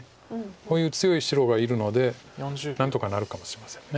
こういう強い白がいるので何とかなるかもしれません。